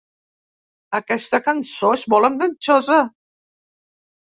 Aquesta cançó és molt enganxosa.